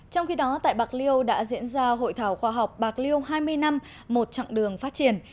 trong khi đó tại bạc liêu đã diễn ra hội thảo khoa học bạc liêu hai mươi năm một chặng đường phát triển